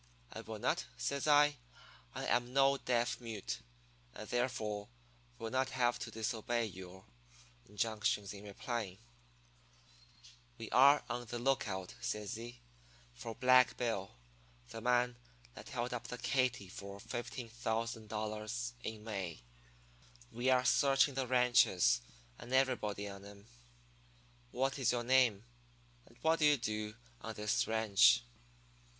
"'I will not,' says I. 'I am no deaf mute, and therefore will not have to disobey your injunctions in replying.' "'We are on the lookout,' says he, 'for Black Bill, the man that held up the Katy for $15,000 in May. We are searching the ranches and everybody on 'em. What is your name, and what do you do on this ranch?'